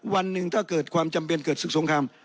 วันหนึ่งถ้าเกิดความจำเป็นเกิดศึกสงคราม